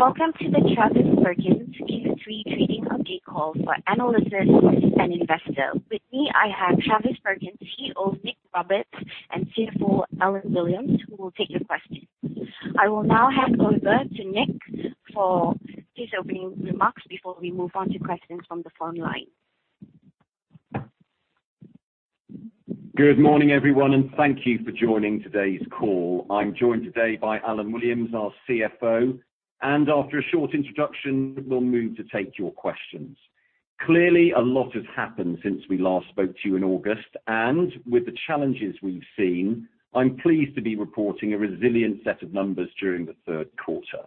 Welcome to the Travis Perkins Q3 trading update call for analysts and investors. With me, I have Travis Perkins CEO Nick Roberts and CFO Alan Williams, who will take your questions. I will now hand over to Nick for his opening remarks before we move on to questions from the phone line. Good morning, everyone, and thank you for joining today's call. I'm joined today by Alan Williams, our CFO, and after a short introduction, we'll move to take your questions. Clearly, a lot has happened since we last spoke to you in August, and with the challenges we've seen, I'm pleased to be reporting a resilient set of numbers during the third quarter.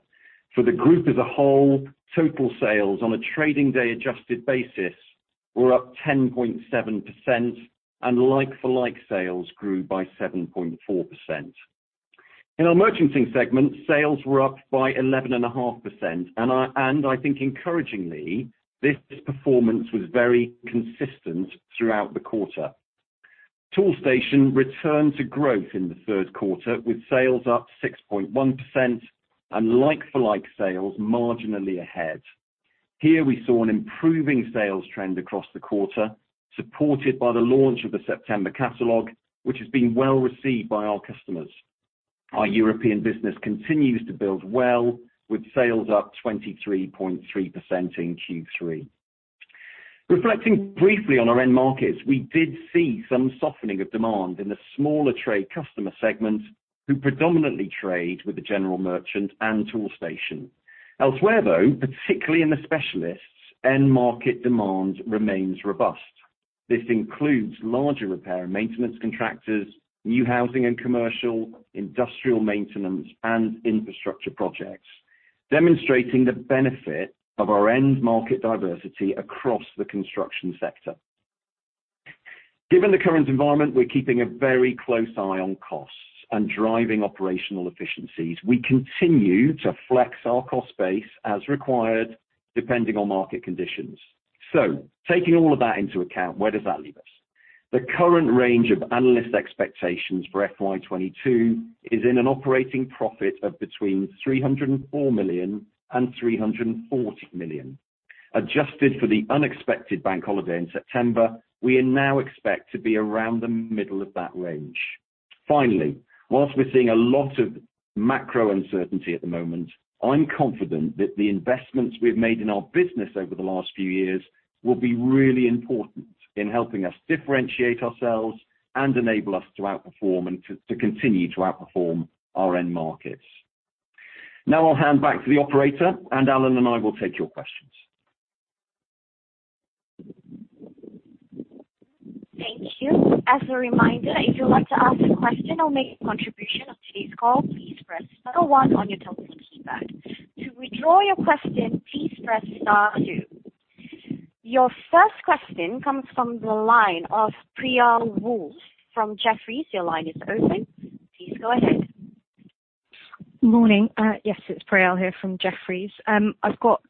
For the group as a whole, total sales on a trading day-adjusted basis were up 10.7%, and like-for-like sales grew by 7.4%. In our merchanting segment, sales were up by 11.5%, and I think encouragingly, this performance was very consistent throughout the quarter. Toolstation returned to growth in the third quarter, with sales up 6.1% and like-for-like sales marginally ahead. Here we saw an improving sales trend across the quarter, supported by the launch of the September catalog, which has been well received by our customers. Our European business continues to build well, with sales up 23.3% in Q3. Reflecting briefly on our end markets, we did see some softening of demand in the smaller trade customer segment, who predominantly trade with the general merchant and Toolstation. Elsewhere, though, particularly in the specialists, end market demand remains robust. This includes larger repair and maintenance contractors, new housing and commercial, industrial maintenance, and infrastructure projects, demonstrating the benefit of our end market diversity across the construction sector. Given the current environment, we're keeping a very close eye on costs and driving operational efficiencies. We continue to flex our cost base as required, depending on market conditions. Taking all of that into account, where does that leave us? The current range of analyst expectations for FY 2022 is in an operating profit of between 304 million and 340 million. Adjusted for the unexpected bank holiday in September, we now expect to be around the middle of that range. Finally, while we're seeing a lot of macro uncertainty at the moment, I'm confident that the investments we've made in our business over the last few years will be really important in helping us differentiate ourselves and enable us to outperform and to continue to outperform our end markets. Now I'll hand back to the operator, and Alan and I will take your questions. Thank you. As a reminder, if you'd like to ask a question or make a contribution on today's call, please press star one on your telephone keypad. To withdraw your question, please press star two. Your first question comes from the line of Priyal Woolf from Jefferies. Your line is open. Please go ahead. Morning. Yes, it's Priyal here from Jefferies. I've got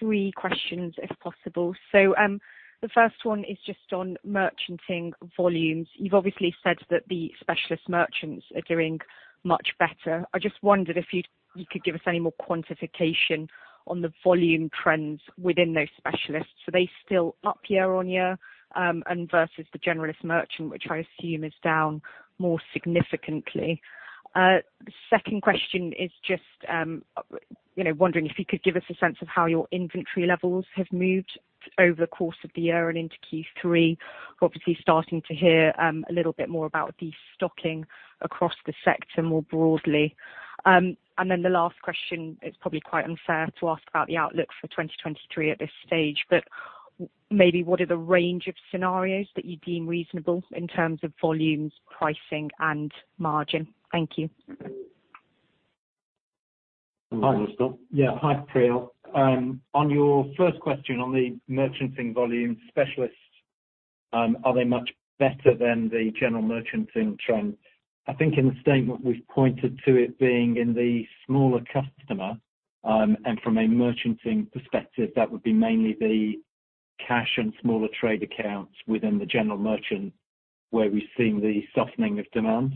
three questions if possible. The first one is just on merchanting volumes. You've obviously said that the specialist merchants are doing much better. I just wondered if you could give us any more quantification on the volume trends within those specialists. Are they still up year on year, and versus the generalist merchant, which I assume is down more significantly? The second question is just, you know, wondering if you could give us a sense of how your inventory levels have moved over the course of the year and into Q3. We're obviously starting to hear a little bit more about the stocking across the sector more broadly. The last question, it's probably quite unfair to ask about the outlook for 2023 at this stage, but maybe what are the range of scenarios that you deem reasonable in terms of volumes, pricing and margin? Thank you. Hi, Priyal. On your first question on the merchanting volume specialists, are they much better than the general merchanting trend? I think in the statement we've pointed to it being in the smaller customer, and from a merchanting perspective, that would be mainly the cash and smaller trade accounts within the general merchant where we're seeing the softening of demand.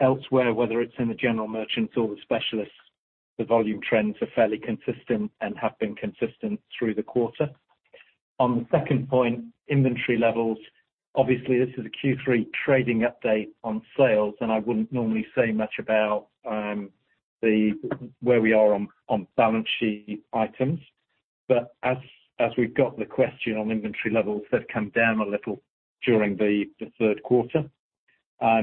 Elsewhere, whether it's in the general merchants or the specialists, the volume trends are fairly consistent and have been consistent through the quarter. On the second point, inventory levels, obviously, this is a Q3 trading update on sales, and I wouldn't normally say much about the where we are on balance sheet items. As we've got the question on inventory levels, they've come down a little during the third quarter. I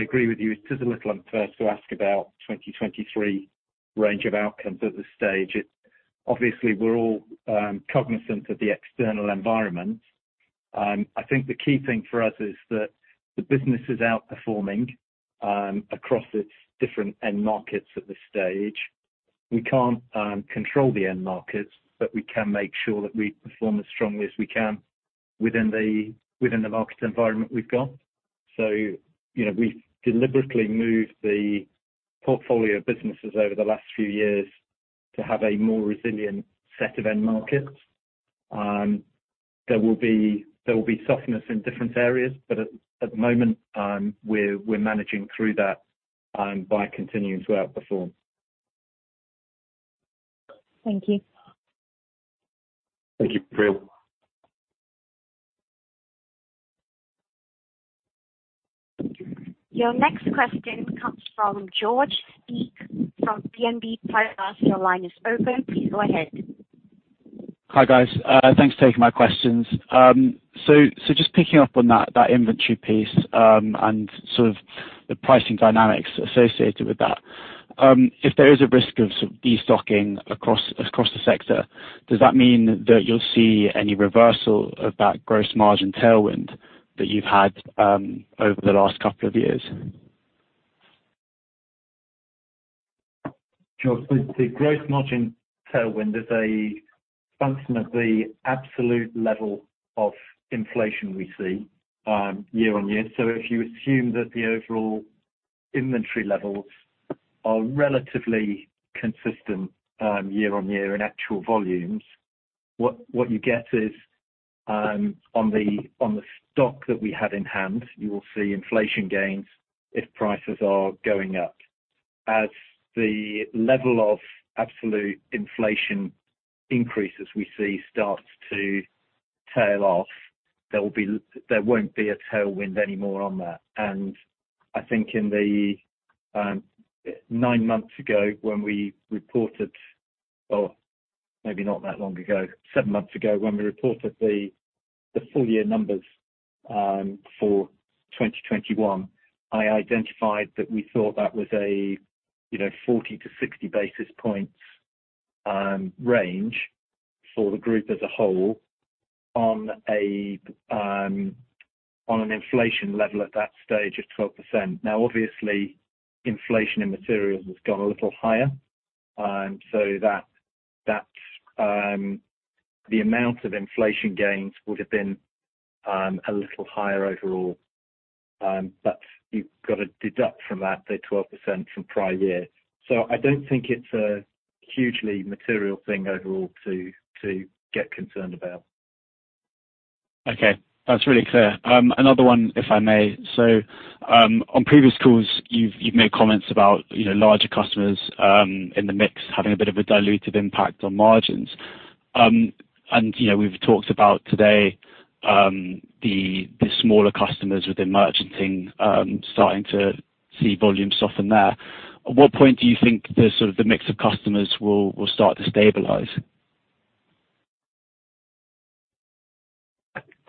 agree with you, it is a little unfair to ask about 2023 range of outcomes at this stage. Obviously, we're all cognizant of the external environment. I think the key thing for us is that the business is outperforming across its different end markets at this stage. We can't control the end markets, but we can make sure that we perform as strongly as we can within the market environment we've got. You know, we've deliberately moved the portfolio of businesses over the last few years to have a more resilient set of end markets. There will be softness in different areas, but at the moment, we're managing through that by continuing to outperform. Thank you. Thank you, Priyal. Your next question comes from George Gregory from BNP Paribas. Your line is open. Please go ahead. Hi, guys. Thanks for taking my questions. So just picking up on that inventory piece, and sort of the pricing dynamics associated with that. If there is a risk of sort of destocking across the sector, does that mean that you'll see any reversal of that gross margin tailwind that you've had, over the last couple of years? George, the gross margin tailwind is a function of the absolute level of inflation we see year-on-year. If you assume that the overall inventory levels are relatively consistent year-on-year in actual volumes, what you get is, on the stock that we have on hand, you will see inflation gains if prices are going up. As the level of absolute inflation starts to tail off, there won't be a tailwind anymore on that. I think nine months ago when we reported, or maybe not that long ago, seven months ago, when we reported the full year numbers for 2021, I identified that we thought that was a, you know, 40 basis points-60 basis points range for the group as a whole on an inflation level at that stage of 12%. Now, obviously, inflation in materials has gone a little higher, so that the amount of inflation gains would have been a little higher overall, but you've got to deduct from that the 12% from prior year. I don't think it's a hugely material thing overall to get concerned about. Okay, that's really clear. Another one, if I may. On previous calls, you've made comments about, you know, larger customers in the mix having a bit of a diluted impact on margins. You know, we've talked about today the smaller customers within merchanting starting to see volumes soften there. At what point do you think the sort of mix of customers will start to stabilize?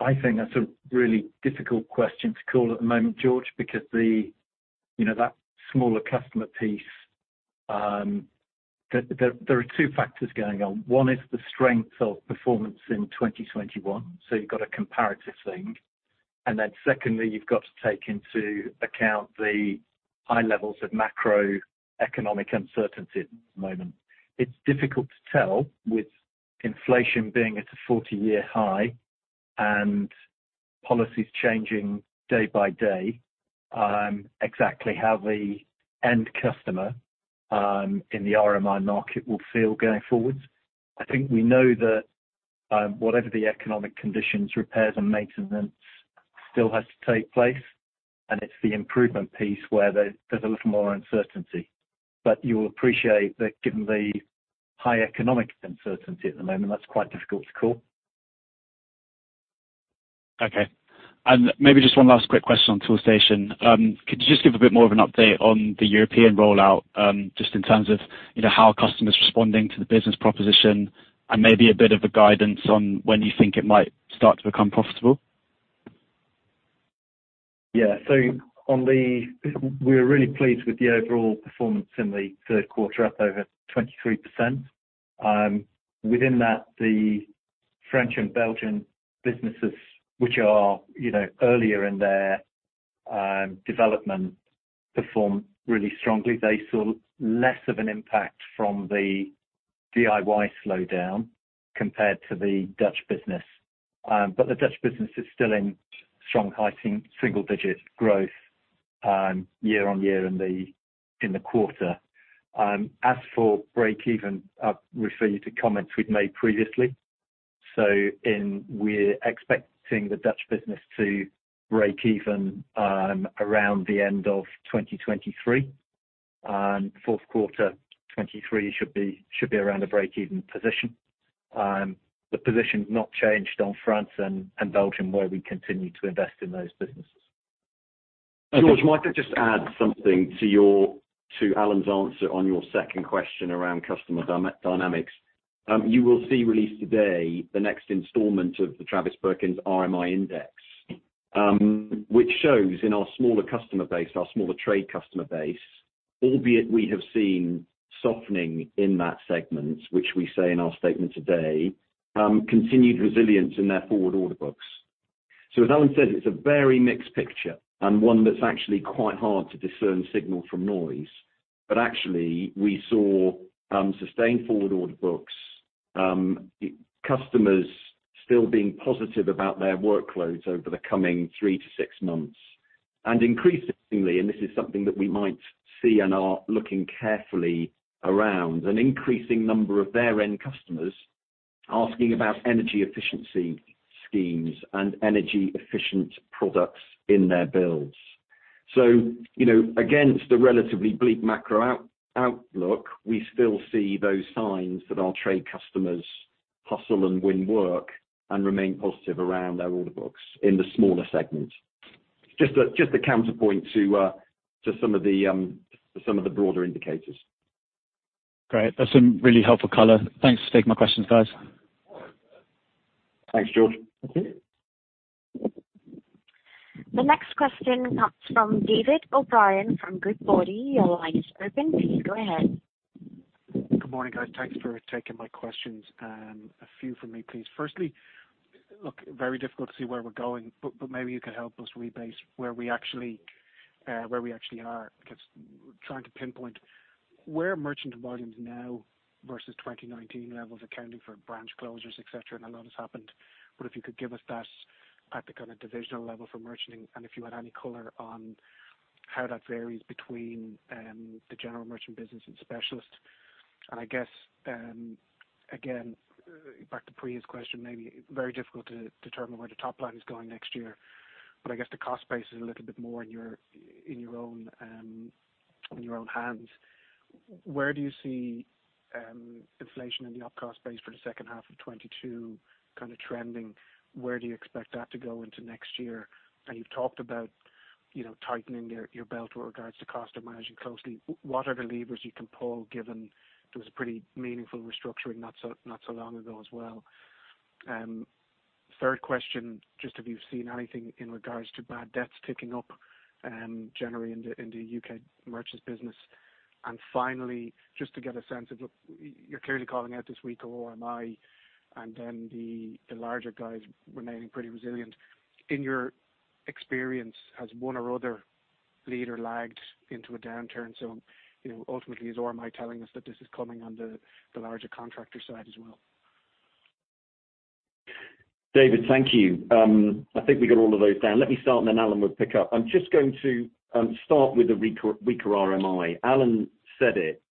I think that's a really difficult question to call at the moment, George, because you know that smaller customer piece, there are two factors going on. One is the strength of performance in 2021, so you've got a comparative thing. Then secondly, you've got to take into account the high levels of macroeconomic uncertainty at the moment. It's difficult to tell with inflation being at a 40-year high and policies changing day by day, exactly how the end customer in the RMI market will feel going forward. I think we know that whatever the economic conditions, repairs and maintenance still has to take place, and it's the improvement piece where there's a little more uncertainty. You'll appreciate that given the high economic uncertainty at the moment, that's quite difficult to call. Okay. Maybe just one last quick question on Toolstation. Could you just give a bit more of an update on the European rollout, just in terms of, you know, how are customers responding to the business proposition and maybe a bit of a guidance on when you think it might start to become profitable? We're really pleased with the overall performance in the third quarter, up over 23%. Within that, the French and Belgian businesses, which are, you know, earlier in their development, performed really strongly. They saw less of an impact from the DIY slowdown compared to the Dutch business. But the Dutch business is still in strong high single-digit growth year-on-year in the quarter. As for break-even, I'd refer you to comments we've made previously. We're expecting the Dutch business to break even around the end of 2023, and fourth quarter 2023 should be around a break-even position. The position has not changed on France and Belgium, where we continue to invest in those businesses. Okay. George, might I just add something to Alan's answer on your second question around customer dynamics? You will see released today the next installment of the Travis Perkins RMI Index, which shows in our smaller customer base, our smaller trade customer base, albeit we have seen softening in that segment, which we say in our statement today, continued resilience in their forward order books. As Alan says, it's a very mixed picture and one that's actually quite hard to discern signal from noise. Actually, we saw sustained forward order books, customers still being positive about their workloads over the coming three to six months. Increasingly, and this is something that we might see and are looking carefully around, an increasing number of their end customers asking about energy efficiency schemes and energy efficient products in their builds. You know, against the relatively bleak macro outlook, we still see those signs that our trade customers hustle and win work and remain positive around their order books in the smaller segment. Just a counterpoint to some of the broader indicators. Great. That's some really helpful color. Thanks for taking my questions, guys. Thanks, George. Okay. The next question comes from David O'Brien from Goodbody. Your line is open. Please go ahead. Good morning, guys. Thanks for taking my questions, and a few from me, please. Firstly, it looks very difficult to see where we're going, but maybe you could help us rebase where we actually are. Because trying to pinpoint where merchant volumes now versus 2019 levels, accounting for branch closures, et cetera,, and a lot has happened. If you could give us that picture on a divisional level for merchanting, and if you had any color on how that varies between the general merchant business and specialist. I guess, again, back to Priyal's question, maybe very difficult to determine where the top line is going next year, but I guess the cost base is a little bit more in your own hands. Where do you see inflation in the OpEx cost base for the second half of 2022 kind of trending? Where do you expect that to go into next year? You've talked about, you know, tightening your belt with regards to cost of managing closely. What are the levers you can pull given there was a pretty meaningful restructuring not so long ago as well. Third question, just have you seen anything in regards to bad debts ticking up generally in the U.K. merchants business? And finally, just to get a sense of, look, you're clearly calling out this weaker RMI, and then the larger guys remaining pretty resilient. In your experience, has one or other leader lagged into a downturn? You know, ultimately, is RMI telling us that this is coming on the larger contractor side as well? David, thank you. I think we got all of those down. Let me start, and then Alan will pick up. I'm just going to start with the weaker RMI. Alan said it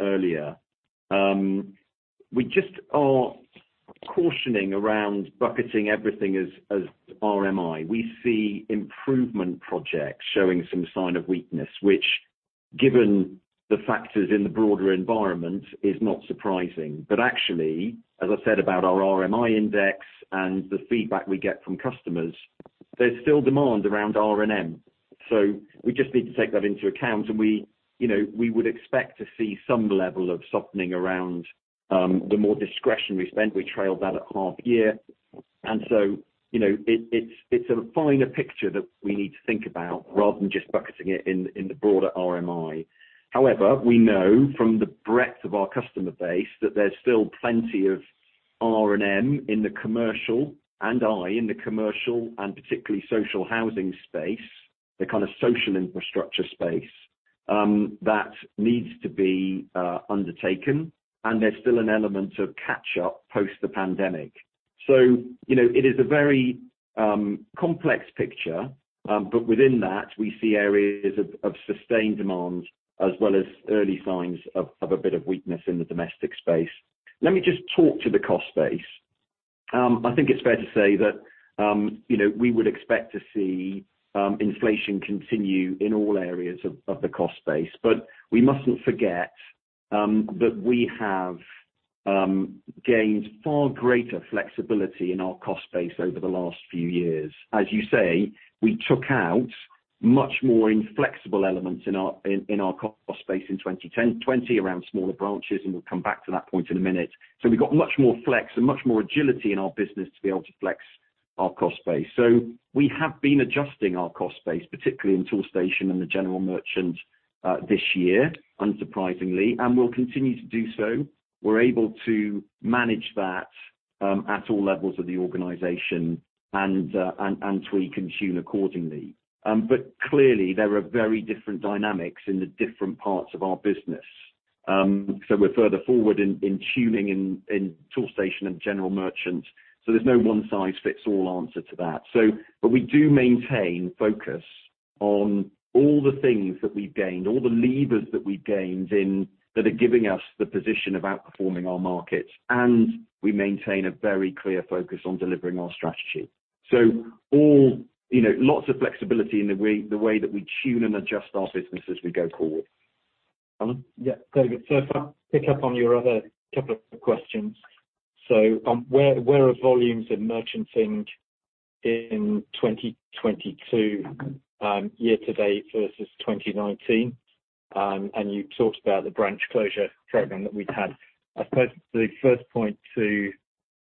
earlier. We just are cautioning around bucketing everything as RMI. We see improvement projects showing some sign of weakness, which, given the factors in the broader environment, is not surprising. Actually, as I said about our RMI Index and the feedback we get from customers, there's still demand around R&M. We just need to take that into account, and we, you know, we would expect to see some level of softening around the more discretionary spend. We trailed that at half year. You know, it's a finer picture that we need to think about rather than just bucketing it in the broader RMI. However, we know from the breadth of our customer base that there's still plenty of R&M in the commercial and I in the commercial and particularly social housing space, the kind of social infrastructure space, that needs to be undertaken, and there's still an element of catch up post the pandemic. You know, it is a very complex picture, but within that, we see areas of sustained demand as well as early signs of a bit of weakness in the domestic space. Let me just talk to the cost base. I think it's fair to say that, you know, we would expect to see inflation continue in all areas of the cost base. We mustn't forget that we have gained far greater flexibility in our cost base over the last few years. As you say, we took out much more inflexible elements in our cost base in 2010-2020 around smaller branches, and we'll come back to that point in a minute. We got much more flex and much more agility in our business to be able to flex our cost base. We have been adjusting our cost base, particularly in Toolstation and the general merchant this year, unsurprisingly, and we'll continue to do so. We're able to manage that at all levels of the organization and tune accordingly. But clearly there are very different dynamics in the different parts of our business. We're further forward in tuning Toolstation and general merchant, so there's no one-size-fits-all answer to that. We do maintain focus on all the things that we've gained, all the levers that we've gained in, that are giving us the position of outperforming our markets, and we maintain a very clear focus on delivering our strategy. All, you know, lots of flexibility in the way that we tune and adjust our business as we go forward. Alan? Yeah. David, so if I pick up on your other couple of questions. Where are volumes in merchanting in 2022 year to date versus 2019? And you talked about the branch closure program that we've had. I suppose the first point to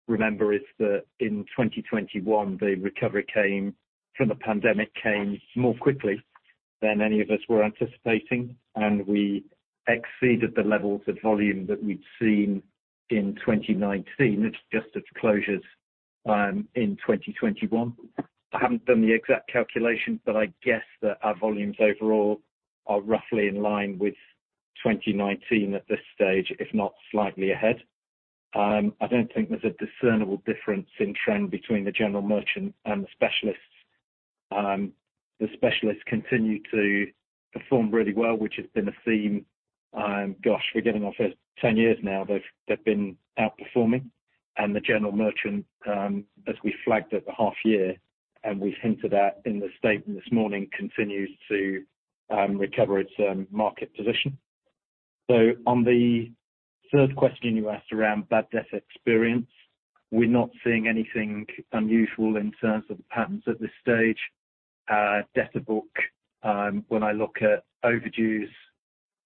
remember is that in 2021, the recovery from the pandemic came more quickly than any of us were anticipating, and we exceeded the levels of volume that we'd seen in 2019. It's just its closures in 2021. I haven't done the exact calculation, but I guess that our volumes overall are roughly in line with 2019 at this stage, if not slightly ahead. I don't think there's a discernible difference in trend between the general merchant and the specialists. The specialists continue to perform really well, which has been a theme, gosh, we're getting off it ten years now. They've been outperforming and the general merchant, as we flagged at the half year, and we've hinted at in the statement this morning, continues to recover its market position. On the third question you asked around bad debt experience, we're not seeing anything unusual in terms of the patterns at this stage. Debtor book, when I look at overdues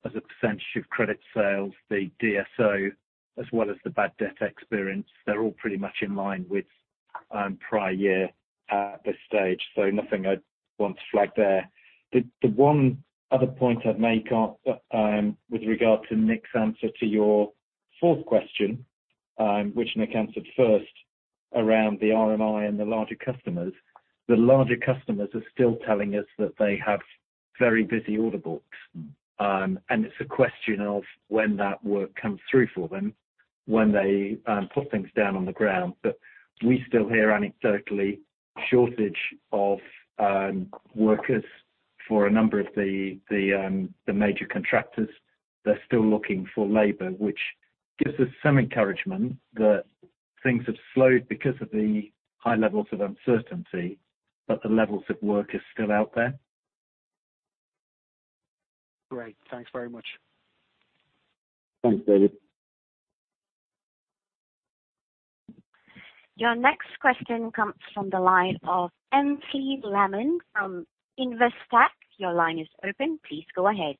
as a percentage of credit sales, the DSO as well as the bad debt experience, they're all pretty much in line with prior year at this stage, so nothing I'd want to flag there. The one other point I'd make on, with regard to Nick's answer to your fourth question, which Nick answered first around the RMI and the larger customers. The larger customers are still telling us that they have very busy order books. It's a question of when that work comes through for them, when they put things down on the ground. We still hear anecdotally shortage of workers for a number of the major contractors. They're still looking for labor, which gives us some encouragement that things have slowed because of the high levels of uncertainty, but the levels of work is still out there. Great. Thanks very much. Thanks, David. Your next question comes from the line of Aynsley Lammin from Investec. Your line is open. Please go ahead.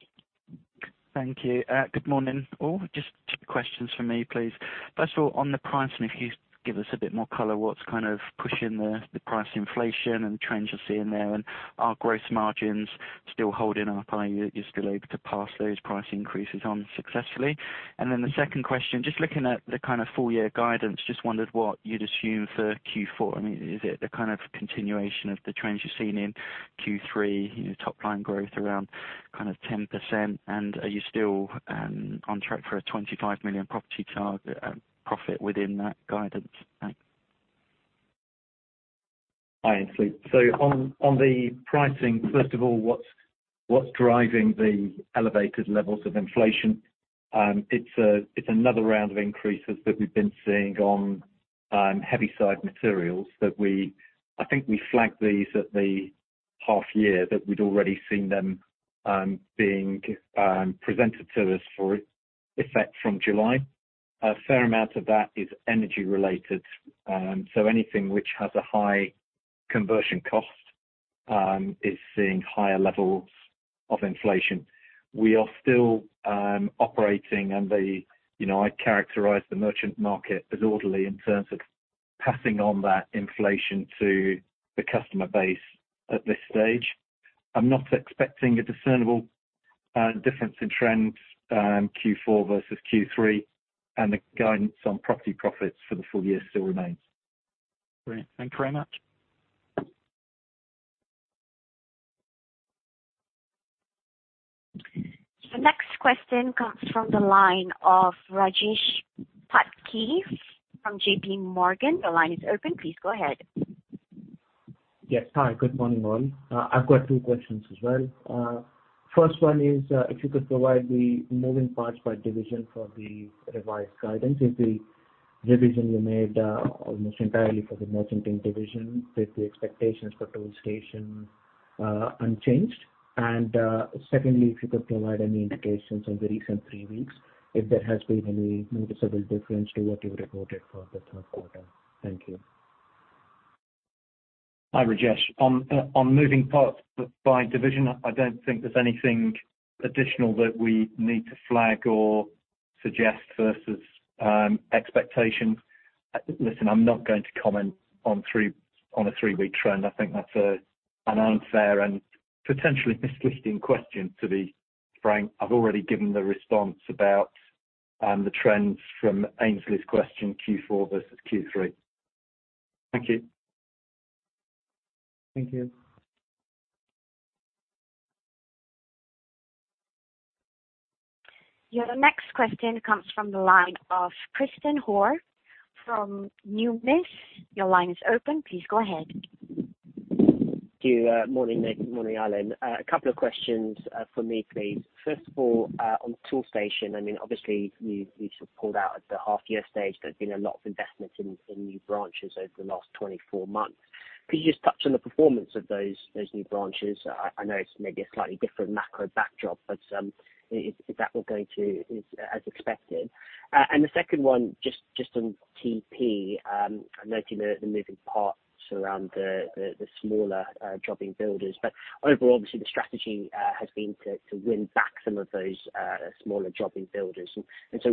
Thank you. Good morning, all. Just two questions for me, please. First of all, on the pricing, if you could give us a bit more color, what's kind of pushing the price inflation and trends you're seeing there? Are gross margins still holding up? Are you still able to pass those price increases on successfully? Then the second question, just looking at the kind of full year guidance, just wondered what you'd assume for Q4. I mean, is it the kind of continuation of the trends you're seeing in Q3, you know, top line growth around kind of 10%? Are you still on track for a 25 million property charge profit within that guidance? Thanks. Hi, Aynsley. On the pricing, first of all, what's driving the elevated levels of inflation, it's another round of increases that we've been seeing on heavy side materials. I think we flagged these at the half year that we'd already seen them being presented to us for effect from July. A fair amount of that is energy related. So anything which has a high conversion cost is seeing higher levels of inflation. We are still operating and, you know, I characterize the merchant market as orderly in terms of passing on that inflation to the customer base at this stage. I'm not expecting a discernible difference in trends Q4 versus Q3, and the guidance on property profits for the full year still remains. Great. Thank you very much. The next question comes from the line of Rajesh Patki from J.P. Morgan. The line is open. Please go ahead. Yes. Hi. Good morning, all. I've got two questions as well. First one is, if you could provide the moving parts by division for the revised guidance. If the revision you made, almost entirely for the merchanting division with the expectations for Toolstation, unchanged. Secondly, if you could provide any indications on the recent three weeks, if there has been any noticeable difference to what you reported for the third quarter. Thank you. Hi, Rajesh. On moving parts by division, I don't think there's anything additional that we need to flag or suggest versus expectations. Listen, I'm not going to comment on a three-week trend. I think that's an unfair and potentially misleading question to be frank. I've already given the response about the trends from Aynsley's question, Q4 versus Q3. Thank you. Thank you. Your next question comes from the line of Christen Hjorth from Numis. Your line is open. Please go ahead. Thank you. Morning, Nick. Morning, Alan. A couple of questions for me, please. First of all, on Toolstation, I mean, obviously you sort of called out at the half year stage. There's been a lot of investment in new branches over the last 24 months. Could you just touch on the performance of those new branches? I know it's maybe a slightly different macro backdrop, but is that all going as expected? The second one, just on TP, noting the moving parts around the smaller jobbing builders, but overall, obviously the strategy has been to win back some of those smaller jobbing builders.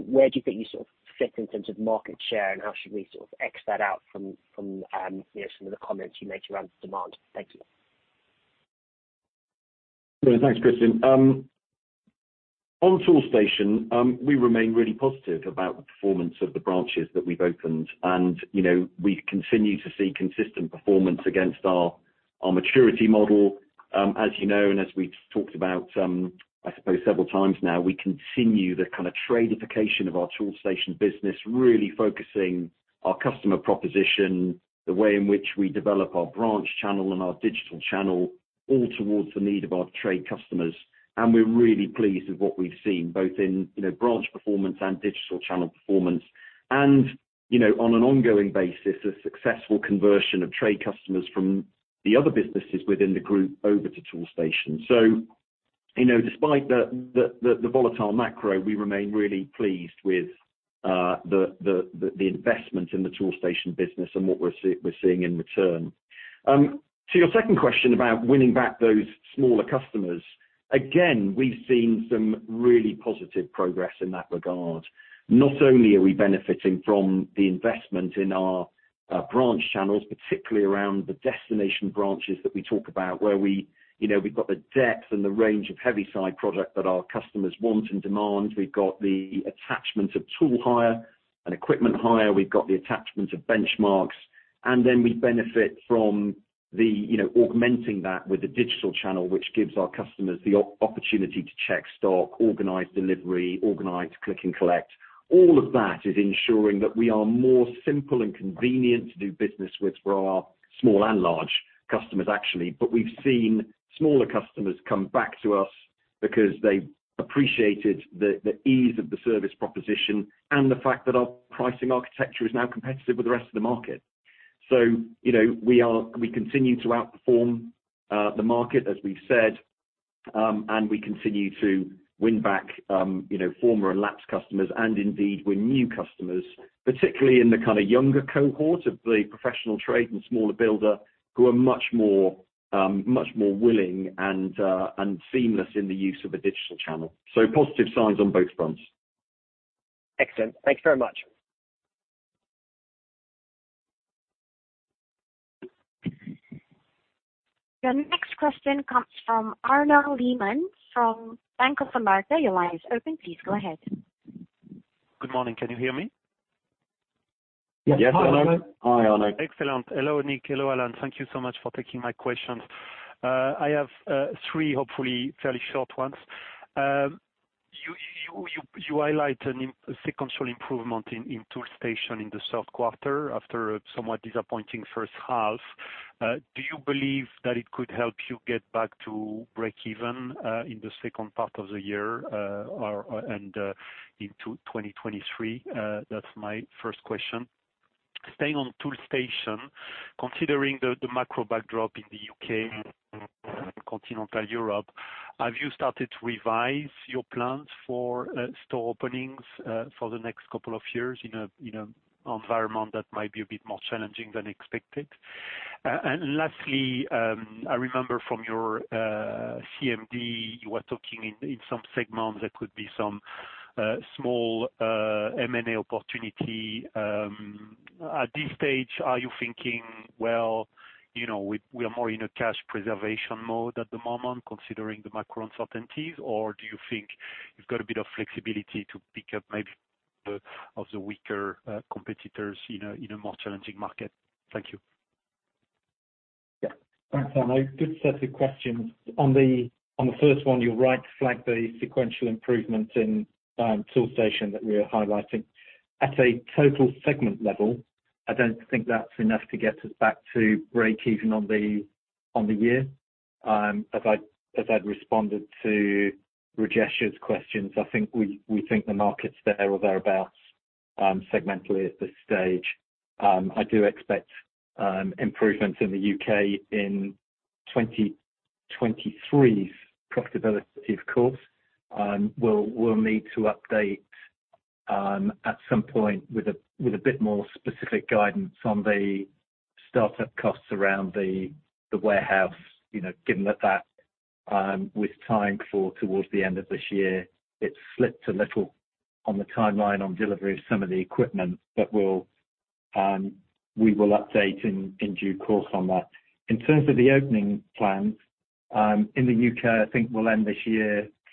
where do you think you sort of fit in terms of market share, and how should we sort of extrapolate that out from, you know, some of the comments you make around demand? Thank you. Thanks, Christen. On Toolstation, we remain really positive about the performance of the branches that we've opened. You know, we continue to see consistent performance against our Our maturity model, as you know, and as we talked about, I suppose several times now, we continue the kind of tradification of our Toolstation business, really focusing our customer proposition, the way in which we develop our branch channel and our digital channel, all towards the need of our trade customers. We're really pleased with what we've seen, both in, you know, branch performance and digital channel performance. You know, on an ongoing basis, a successful conversion of trade customers from the other businesses within the group over to Toolstation. You know, despite the volatile macro, we remain really pleased with the investment in the Toolstation business and what we're seeing in return. To your second question about winning back those smaller customers. Again, we've seen some really positive progress in that regard. Not only are we benefiting from the investment in our branch channels, particularly around the destination branches that we talk about, where we, you know, we've got the depth and the range of heavy side product that our customers want and demand. We've got the attachment of tool hire and equipment hire. We've got the attachment of Benchmarx, and then we benefit from the, you know, augmenting that with the digital channel, which gives our customers the opportunity to check stock, organize delivery, organize click and collect. All of that is ensuring that we are more simple and convenient to do business with for our small and large customers, actually. We've seen smaller customers come back to us because they appreciated the ease of the service proposition and the fact that our pricing architecture is now competitive with the rest of the market. You know, we continue to outperform the market, as we've said, and we continue to win back you know, former and lapsed customers and indeed win new customers, particularly in the kind of younger cohort of the professional trade and smaller builder who are much more willing and seamless in the use of a digital channel. Positive signs on both fronts. Excellent. Thank you very much. The next question comes from Arnaud Lehmann from Bank of America Merrill Lynch. Your line is open. Please go ahead. Good morning. Can you hear me? Yes. Hi, Arnaud. Hi, Arnaud. Excellent. Hello, Nick. Hello, Alan. Thank you so much for taking my questions. I have three, hopefully fairly short ones. You highlight a sequential improvement in Toolstation in the third quarter after a somewhat disappointing first half. Do you believe that it could help you get back to break even in the second part of the year or into 2023? That's my first question. Staying on Toolstation, considering the macro backdrop in the U.K. and continental Europe, have you started to revise your plans for store openings for the next couple of years in an environment that might be a bit more challenging than expected? Lastly, I remember from your CMD, you were talking in some segments there could be some small M&A opportunity. At this stage, are you thinking, well, you know, we are more in a cash preservation mode at the moment considering the macro uncertainties, or do you think you've got a bit of flexibility to pick up maybe some of the weaker competitors in a more challenging market? Thank you. Yeah. Thanks, Arnaud. Good set of questions. On the first one, you're right to flag the sequential improvement in Toolstation that we are highlighting. At a total segment level, I don't think that's enough to get us back to break even on the year. As I'd responded to Rajesh's questions, I think we think the market's there or thereabout, segmentally at this stage. I do expect improvements in the U.K. in 2023's profitability, of course. We'll need to update at some point with a bit more specific guidance on the startup costs around the warehouse, you know, given that that was timed towards the end of this year. It slipped a little on the timeline on delivery of some of the equipment, but we will update in due course on that. In terms of the opening plans, in the U.K., I think we'll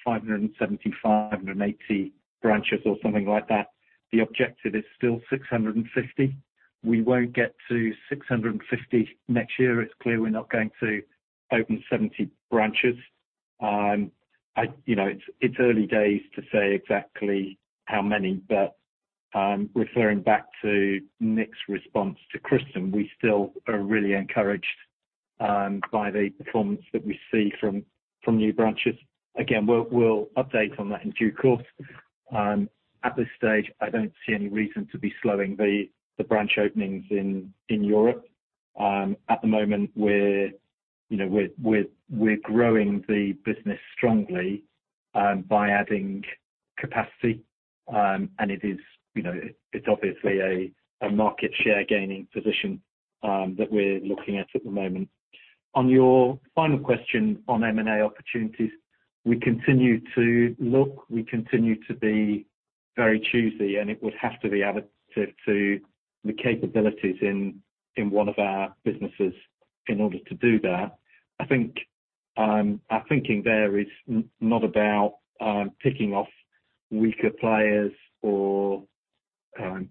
end this year 575-580 branches or something like that. The objective is still 650. We won't get to 650 next year. It's clear we're not going to open 70 branches. You know, it's early days to say exactly how many. Referring back to Nick's response to Christen, we still are really encouraged by the performance that we see from new branches. Again, we'll update on that in due course. At this stage, I don't see any reason to be slowing the branch openings in Europe. At the moment, you know, we're growing the business strongly by adding capacity. It is, you know, it's obviously a market share gaining position that we're looking at at the moment. On your final question on M&A opportunities, we continue to look, we continue to be very choosy, and it would have to be additive to the capabilities in one of our businesses in order to do that. I think our thinking there is not about picking off weaker players or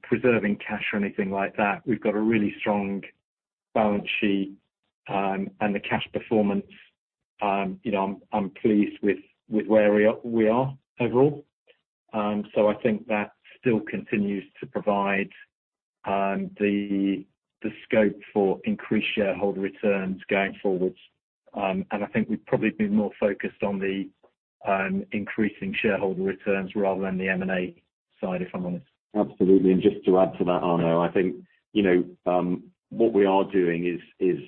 Preserving cash or anything like that. We've got a really strong balance sheet, and the cash performance, you know, I'm pleased with where we are overall. I think that still continues to provide the scope for increased shareholder returns going forwards. I think we've probably been more focused on increasing shareholder returns rather than the M&A side, if I'm honest. Absolutely. Just to add to that, Arnaud, I think, you know, what we are doing is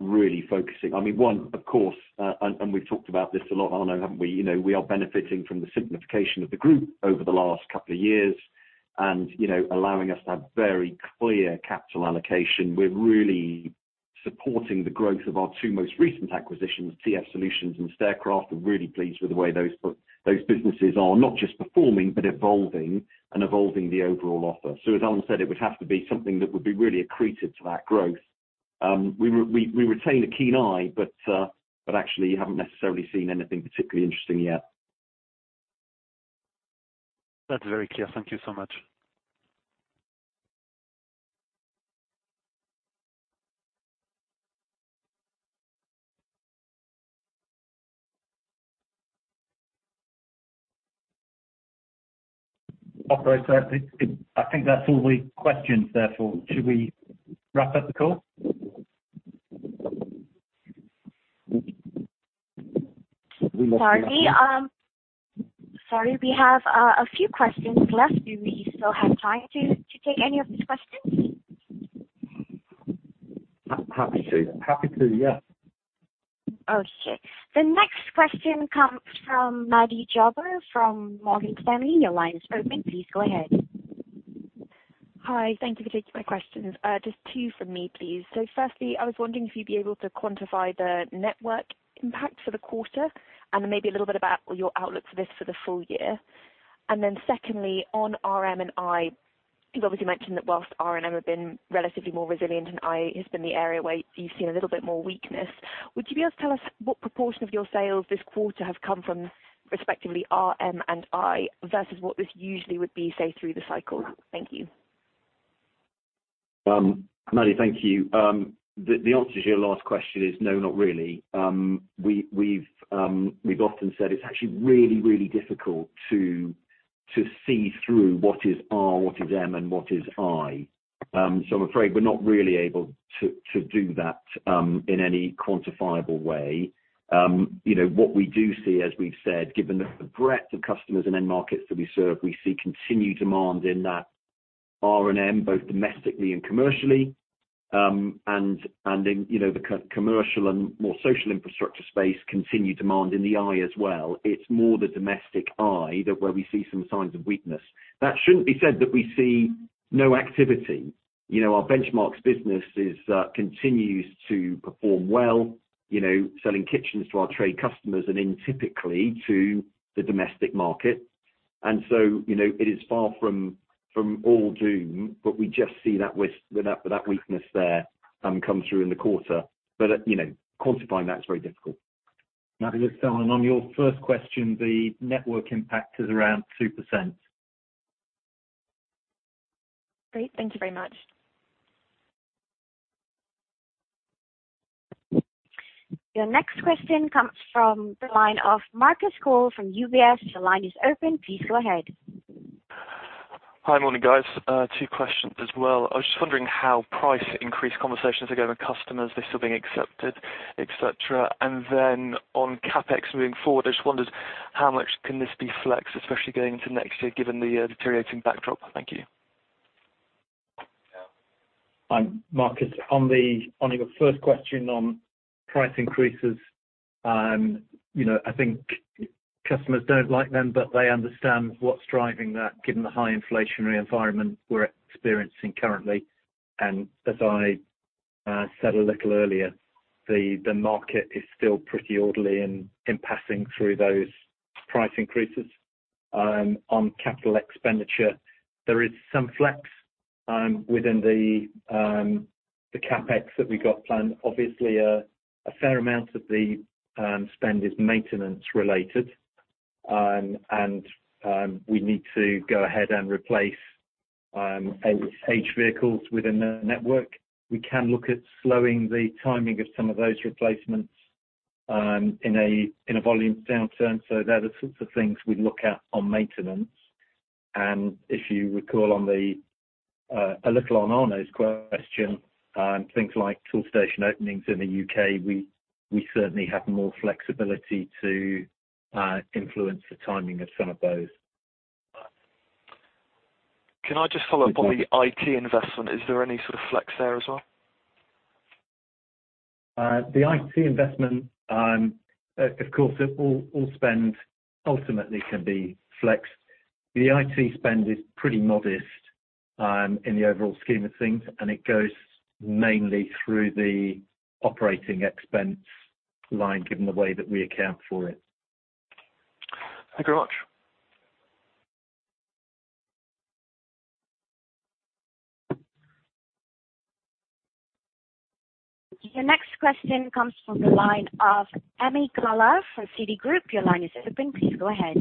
really focusing. I mean, one, of course, and we've talked about this a lot, Arnaud, haven't we? You know, we are benefiting from the simplification of the group over the last couple of years and, you know, allowing us to have very clear capital allocation. We're really supporting the growth of our two most recent acquisitions, TF Solutions and Staircraft. We're really pleased with the way those businesses are not just performing, but evolving and evolving the overall offer. As Alan said, it would have to be something that would be really accretive to that growth. We retain a keen eye, but actually you haven't necessarily seen anything particularly interesting yet. That's very clear. Thank you so much. Operator, I think that's all the questions therefore. Should we wrap up the call? We must be wrapping up. Sorry. Sorry, we have a few questions left. Do we still have time to take any of these questions? Happy to, yeah. Okay. The next question comes from Maddy Jaber from Morgan Stanley. Your line is open. Please go ahead. Hi. Thank you for taking my questions. Just two from me, please. Firstly, I was wondering if you'd be able to quantify the network impact for the quarter and then maybe a little bit about your outlook for this for the full year. Then secondly, on RM&I, you've obviously mentioned that while R&M have been relatively more resilient and I has been the area where you've seen a little bit more weakness. Would you be able to tell us what proportion of your sales this quarter have come from respectively R, M, and I versus what this usually would be, say, through the cycle? Thank you. Maddy, thank you. The answer to your last question is no, not really. We've often said it's actually really difficult to see through what is R, what is M, and what is I. I'm afraid we're not really able to do that in any quantifiable way. You know, what we do see, as we've said, given the breadth of customers and end markets that we serve, we see continued demand in that R&M, both domestically and commercially. In you know, the non-commercial and more social infrastructure space, continued demand in the I as well. It's more the domestic I that's where we see some signs of weakness. That shouldn't be said that we see no activity. You know, our Benchmarx business continues to perform well, you know, selling kitchens to our trade customers and typically to the domestic market. You know, it is far from all doom, but we just see that weakness there come through in the quarter. You know, quantifying that is very difficult. Maddy, it's Alan. On your first question, the network impact is around 2%. Great. Thank you very much. Your next question comes from the line of Marcus Cole from UBS. Your line is open. Please go ahead. Hi. Morning, guys. Two questions as well. I was just wondering how price increase conversations are going with customers. They're still being accepted, et cetera. Then on CapEx moving forward, I just wondered how much can this be flexed, especially going into next year, given the deteriorating backdrop. Thank you. Hi, Marcus. On your first question on price increases, you know, I think customers don't like them, but they understand what's driving that given the high inflationary environment we're experiencing currently. As I said a little earlier, the market is still pretty orderly in passing through those price increases. On capital expenditure, there is some flex within the CapEx that we got planned. Obviously, a fair amount of the spend is maintenance related. We need to go ahead and replace aged vehicles within the network. We can look at slowing the timing of some of those replacements in a volume downturn. They're the sorts of things we'd look at on maintenance. If you recall a little on Arno's question, things like Toolstation openings in the UK, we certainly have more flexibility to influence the timing of some of those. Can I just follow up on the IT investment? Is there any sort of flex there as well? Of course it all spend ultimately can be flexed. The IT spend is pretty modest, in the overall scheme of things, and it goes mainly through the operating expense line, given the way that we account for it. Thank you very much. Your next question comes from the line of Ami Galla from Citigroup. Your line is open. Please go ahead.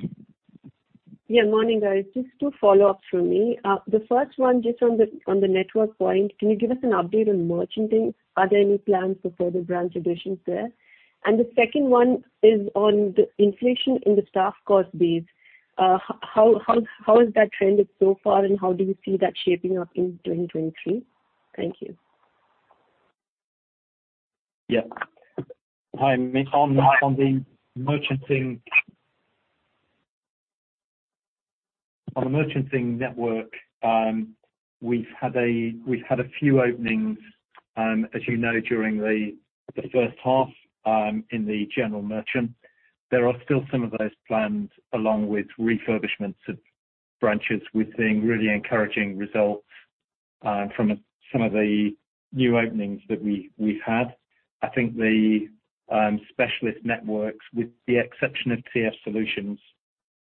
Morning, guys. Just to follow up from me. The first one, just on the network point, can you give us an update on merchanting? Are there any plans for further branch additions there? The second one is on the inflation in the staff cost base. How has that trended so far, and how do you see that shaping up in 2023? Thank you. Yeah. Hi, Ami. On the merchanting network, we've had a few openings, as you know, during the first half, in the general merchant. There are still some of those planned, along with refurbishments of branches. We're seeing really encouraging results from some of the new openings that we've had. I think the specialist networks, with the exception of TF Solutions,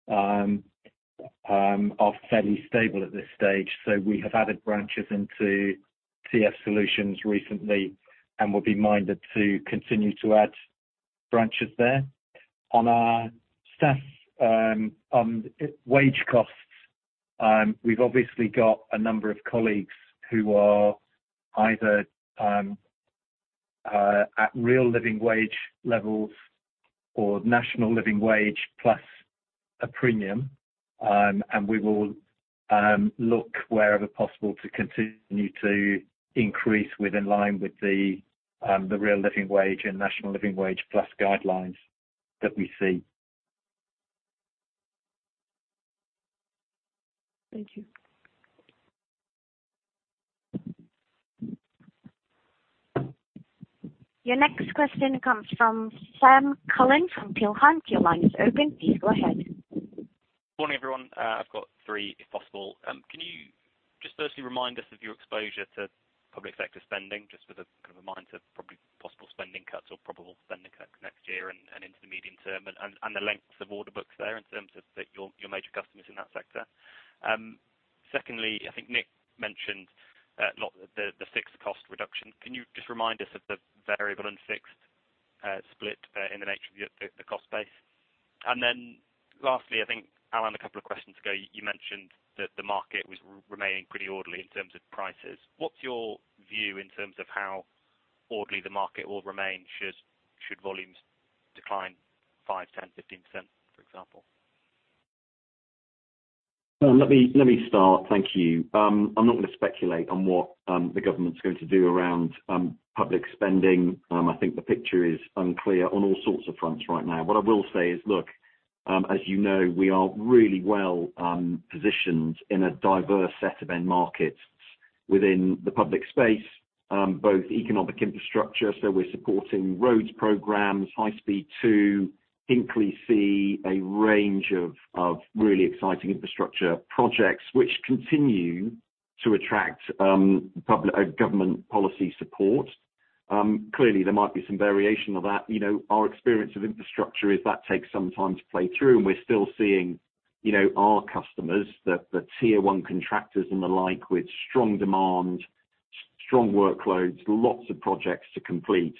are fairly stable at this stage, so we have added branches into TF Solutions recently and will be minded to continue to add branches there. On our staff wage costs, we've obviously got a number of colleagues who are either at Real Living Wage levels or National Living Wage plus a premium, and we will look wherever possible to continue to increase in line with the Real Living Wage and National Living Wage plus guidelines that we see. Thank you. Your next question comes from Sam Cullen from Peel Hunt. Your line is open. Please go ahead. Morning, everyone. I've got three, if possible. Can you just firstly remind us of your exposure to public sector spending, just with a kind of a mind to probably possible spending cuts or probable spending cuts next year and into the medium term and the lengths of order books there in terms of your major customers in that sector. Secondly, I think Nick mentioned not the fixed cost reduction. Can you just remind us of the variable and fixed split in the nature of the cost base? Then lastly, I think, Alan, a couple of questions ago, you mentioned that the market was remaining pretty orderly in terms of prices. What's your view in terms of how orderly the market will remain should volumes decline 5%, 10%, 15%, for example? Well, let me start. Thank you. I'm not gonna speculate on what the government's going to do around public spending. I think the picture is unclear on all sorts of fronts right now. What I will say is, look, as you know, we are really well positioned in a diverse set of end markets within the public space, both economic infrastructure, so we're supporting roads programs, HS2, Hinkley Point C, a range of really exciting infrastructure projects which continue to attract public government policy support. Clearly there might be some variation of that. You know, our experience with infrastructure is that takes some time to play through, and we're still seeing, you know, our customers, the tier one contractors and the like, with strong demand, strong workloads, lots of projects to complete.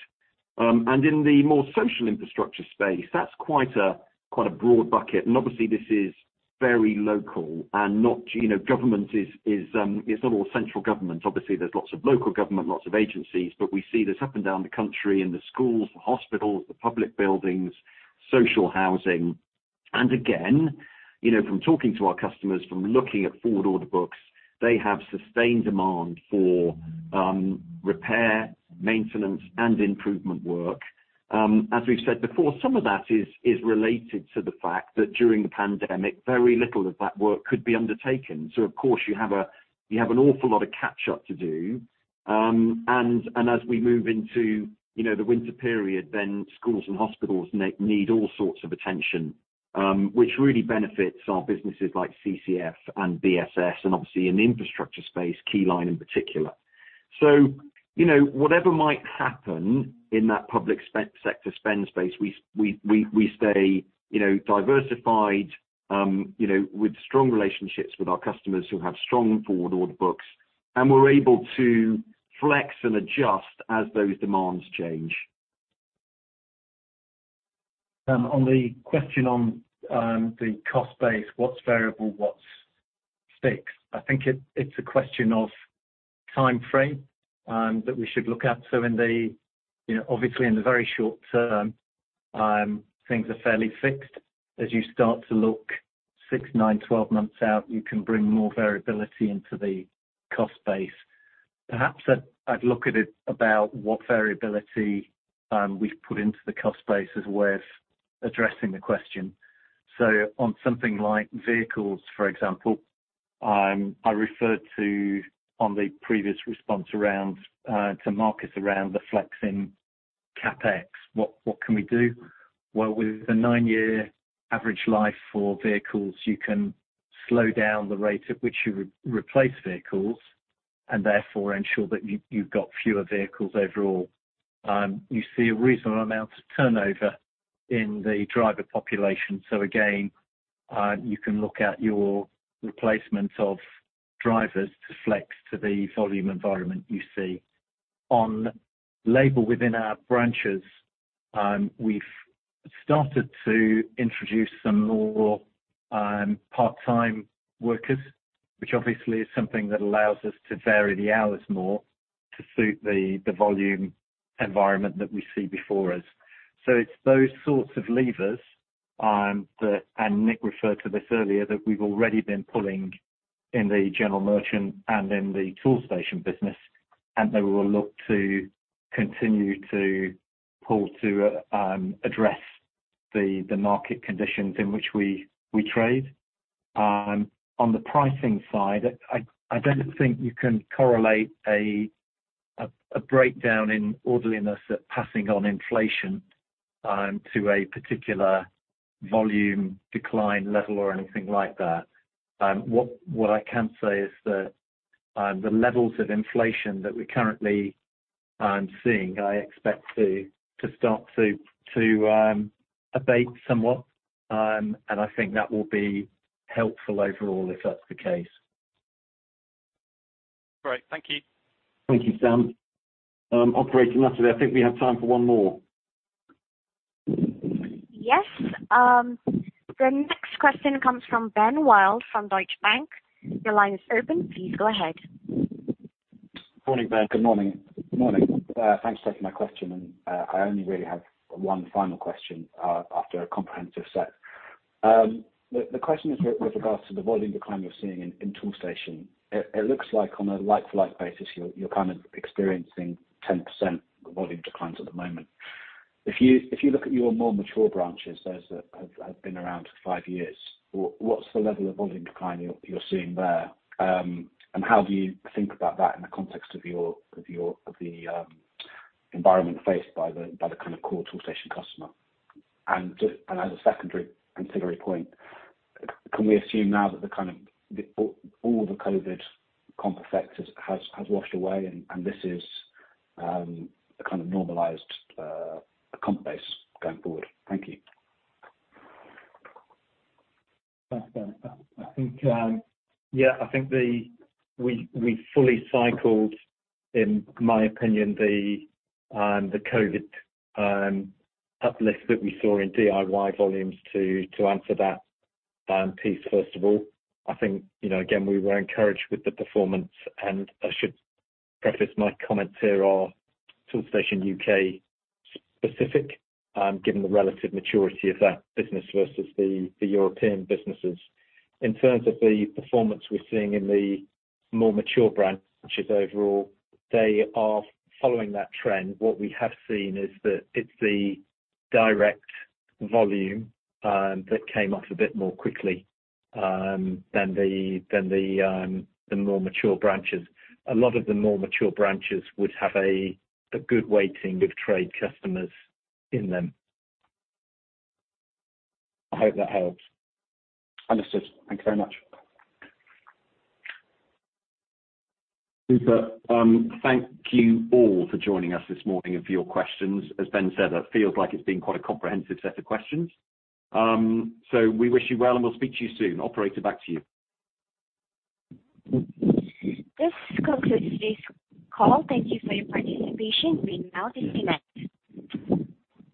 In the more social infrastructure space, that's quite a broad bucket, and obviously this is very local and not, you know, all central government. Obviously, there's lots of local government, lots of agencies, but we see this up and down the country in the schools, the hospitals, the public buildings, social housing. Again, you know, from talking to our customers, from looking at forward order books, they have sustained demand for repair, maintenance, and improvement work. As we've said before, some of that is related to the fact that during the pandemic, very little of that work could be undertaken. Of course you have an awful lot of catch-up to do. As we move into, you know, the winter period, then schools and hospitals need all sorts of attention, which really benefits our businesses like CCF and BSS and obviously in the infrastructure space, Keyline in particular. Whatever might happen in that public sector spend space, we stay, you know, diversified, you know, with strong relationships with our customers who have strong forward order books, and we're able to flex and adjust as those demands change. On the question on the cost base, what's variable, what's fixed? I think it's a question of timeframe that we should look at. You know, obviously in the very short term, things are fairly fixed. As you start to look six, nine, 12 months out, you can bring more variability into the cost base. Perhaps I'd look at it about what variability we've put into the cost base as a way of addressing the question. On something like vehicles, for example, I referred to in the previous response around the two markets around the flexing CapEx, what can we do? Well, with the nine-year average life for vehicles, you can slow down the rate at which you replace vehicles and therefore ensure that you've got fewer vehicles overall. You see a reasonable amount of turnover in the driver population, so again you can look at your replacement of drivers to flex to the volume environment you see. On labor within our branches, we've started to introduce some more part-time workers, which obviously is something that allows us to vary the hours more to suit the volume environment that we see before us. It's those sorts of levers, and Nick referred to this earlier, that we've already been pulling in the general merchant and in the Toolstation business, and that we will look to continue to pull to address the market conditions in which we trade. On the pricing side, I don't think you can correlate a breakdown in orderliness in passing on inflation to a particular volume decline level or anything like that. What I can say is that the levels of inflation that we're currently seeing, I expect to start to abate somewhat. I think that will be helpful overall if that's the case. Great. Thank you. Thank you, Sam. Operator, I think we have time for one more. Yes. The next question comes from Ben Wild from Deutsche Bank. Your line is open. Please go ahead. Morning, Ben. Good morning. Morning. Thanks for taking my question, and I only really have one final question after a comprehensive set. The question is with regards to the volume decline you're seeing in Toolstation. It looks like on a like-for-like basis, you're kind of experiencing 10% volume declines at the moment. If you look at your more mature branches, those that have been around for five years, what's the level of volume decline you're seeing there? And how do you think about that in the context of the environment faced by the kind of core Toolstation customer? As a secondary and tertiary point, can we assume now that all the COVID comp effects has washed away and this is a kind of normalized comp base going forward? Thank you. Thanks, Ben. I think yeah, I think we fully cycled, in my opinion, the COVID uplift that we saw in DIY volumes to answer that piece first of all. I think, you know, again, we were encouraged with the performance, and I should preface my comments here are Toolstation U.K. specific, given the relative maturity of that business versus the European businesses. In terms of the performance we're seeing in the more mature branches overall, they are following that trend. What we have seen is that it's the direct volume that came off a bit more quickly than the more mature branches. A lot of the more mature branches would have a good weighting of trade customers in them. I hope that helps. Understood. Thank you very much. Super. Thank you all for joining us this morning and for your questions. As Ben said, that feels like it's been quite a comprehensive set of questions. We wish you well, and we'll speak to you soon. Operator, back to you. This concludes this call. Thank you for your participation. You may now disconnect.